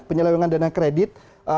penyelewengan dana kredit